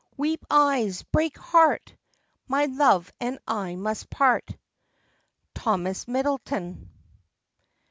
Weep eyes, break heart! My love and I must part. Thomas Middleton.